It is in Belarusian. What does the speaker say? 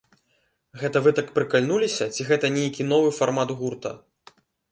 Гэта вы так прыкальнуліся, ці гэта нейкі новы фармат гурта?